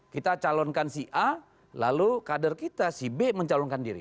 kita calonkan si a lalu kader kita si b mencalonkan diri